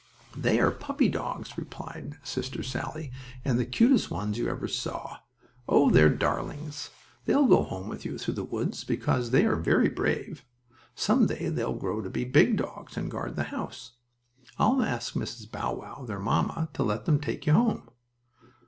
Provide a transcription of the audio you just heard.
"They are puppy dogs," replied Sister Sallie, "and the cutest ones you ever saw! Oh, they are darlings! They'll go home with you through the woods, because they are very brave. Some day they will grow to be big dogs, and guard the house. I'll ask Mrs. Bow Wow, their mamma, to let them take you home."